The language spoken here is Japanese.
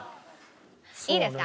いいですか？